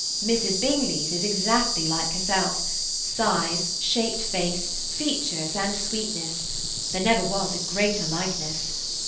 Mrs. Bingley's is exactly like herself, size, shaped face, features and sweetness; there never was a greater likeness.